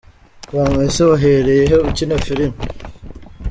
com: ese wahereye he ukina filime?.